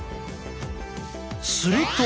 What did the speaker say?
すると！